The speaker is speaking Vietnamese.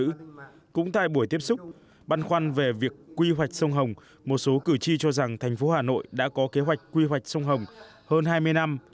cũng tại buổi tiếp xúc băn khoăn về việc quy hoạch sông hồng một số cử tri cho rằng thành phố hà nội đã có kế hoạch quy hoạch sông hồng hơn hai mươi năm